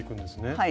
はい。